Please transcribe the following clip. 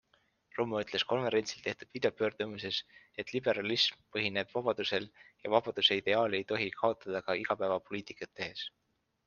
Rummo ütles konverentsil tehtud videopöördumises, et liberalism põhineb vabadusel ja vabaduse ideaali ei tohi kaotada ka igapäevapoliitikat tehes.